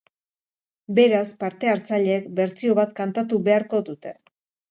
Beraz, parte-hartzaileek bertsio bat kantatu beharko dute.